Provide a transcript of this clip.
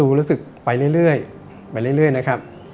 ร้านสีสิงฯนี่ก็ดูรู้สึกไปเรื่อยนะครับ